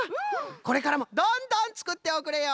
これからもどんどんつくっておくれよ！